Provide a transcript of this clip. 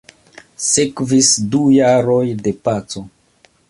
Sekvis du jaroj de paco.